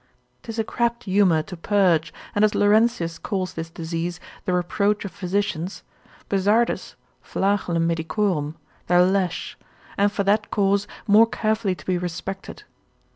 'Tis a crabbed humour to purge, and as Laurentius calls this disease, the reproach of physicians: Bessardus, flagellum medicorum, their lash; and for that cause, more carefully to be respected.